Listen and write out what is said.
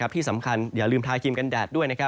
ที่สำคัญอย่าลืมทาครีมกันแดดด้วย